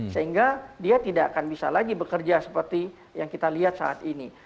sehingga dia tidak akan bisa lagi bekerja seperti yang kita lihat saat ini